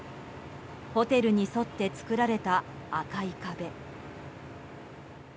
ホテルに沿って作られた赤い壁。